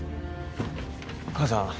母さん